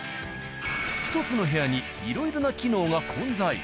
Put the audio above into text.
１つの部屋にいろいろな機能が混在。